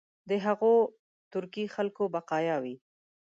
د هغو ترکي خلکو بقایا وي.